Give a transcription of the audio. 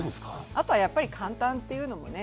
あとはやっぱり「簡単」っていうのもね